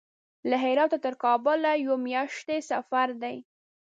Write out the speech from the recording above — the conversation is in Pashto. له هراته تر کابل یوې میاشتې سفر دی.